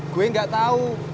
gue gak tau